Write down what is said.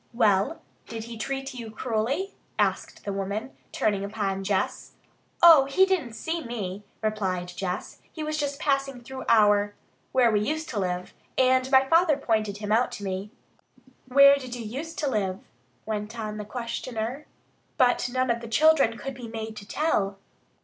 "Well, did he treat you cruelly?" asked the woman, turning upon Jess. "Oh, he didn't see me," replied Jess. "He was just passing through our where we used to live and my father pointed him out to me." "Where did you use to live?" went on the questioner. But none of the children could be made to tell.